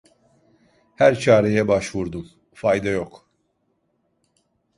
Her çareye başvurdum; fayda yok…